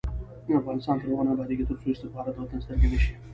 افغانستان تر هغو نه ابادیږي، ترڅو استخبارات د وطن سترګې نشي.